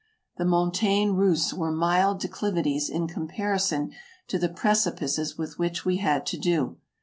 The Montagues Russes were mild declivities in comparison to the precipices with which we had to do.